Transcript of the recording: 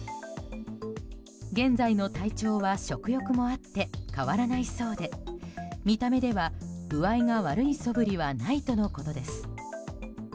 現在の体調は食欲もあって変わらないそうで見た目では具合が悪いそぶりはないとのことです。